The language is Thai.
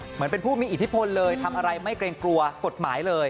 เหมือนเป็นผู้มีอิทธิพลเลยทำอะไรไม่เกรงกลัวกฎหมายเลย